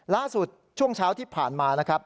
แล้วสุดช่วงเช้าที่ผ่านมานะครับ